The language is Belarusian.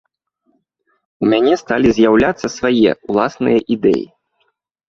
У мяне сталі з'яўляцца свае ўласныя ідэі.